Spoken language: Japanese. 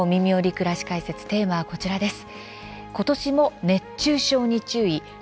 くらし解説」テーマは、こちらです。